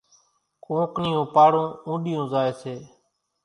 ڪونڪ نِيون پاڙون اونڏِيون زائيَ سي۔